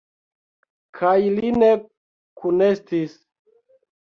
Kaj li ne kunestis.